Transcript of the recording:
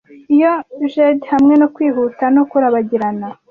Iyo, jade hamwe no kwihuta no kurabagirana